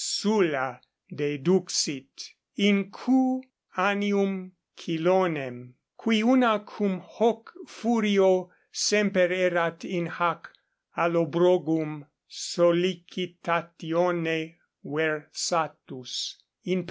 Sulla deduxit, in Q. Annium Chilonem, qui una cum hoc Furio semper erat in hac Allobrogum sollicitatione versatus, in P.